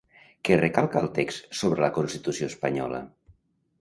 Què recalca el text sobre la Constitució espanyola?